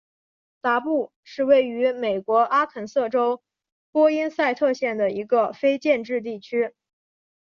达布是位于美国阿肯色州波因塞特县的一个非建制地区。